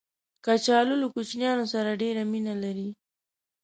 کچالو له کوچنیانو سره ډېر مینه لري